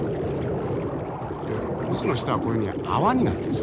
渦の下はこういうふうに泡になってるんですよね。